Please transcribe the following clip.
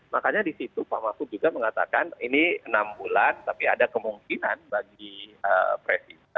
makanya di situ pak mahfud juga mengatakan ini enam bulan tapi ada kemungkinan bagi presiden